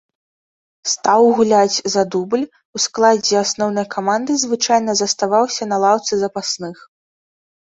Стаў гуляць за дубль, у складзе асноўнай каманды звычайна заставаўся на лаўцы запасных.